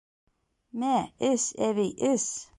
— Мә, эс, әбей, эс.